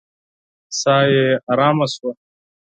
ساه يې آرامه شوه.